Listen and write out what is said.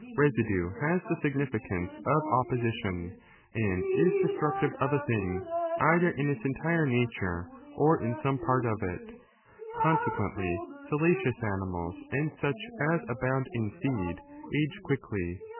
Besidue has the significance of opposition and is destructive of a thing either in its entire nature or in some part of it Consequently, salacious animals and such as abound in seed age quickly.